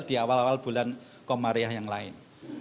di awal awal bulan komariah yang lain